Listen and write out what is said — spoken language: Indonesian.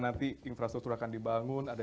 nanti infrastruktur akan dibangun